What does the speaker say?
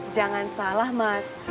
jangan salah mas